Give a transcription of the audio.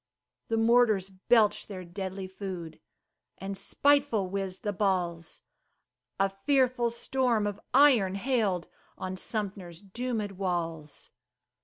The mortars belched their deadly food, And spiteful whizzed the balls, A fearful storm of iron hailed On Sumter's doomèd walls.